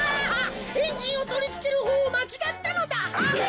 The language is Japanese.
エンジンをとりつけるほうをまちがったのだ。え！？